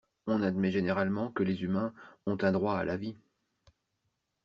On admet généralement que les humains ont un droit à la vie.